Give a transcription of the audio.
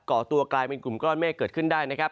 ่อตัวกลายเป็นกลุ่มก้อนเมฆเกิดขึ้นได้นะครับ